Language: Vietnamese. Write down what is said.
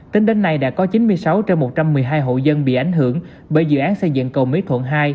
tính đến nay đã có chín mươi sáu trên một trăm một mươi hai hộ dân bị ảnh hưởng bởi dự án xây dựng cầu mỹ thuận hai